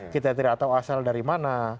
kita tidak tahu asal dari mana